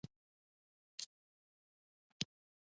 څنګه کولی شم د ماشومانو لپاره د جنت د روحي سکون بیان کړم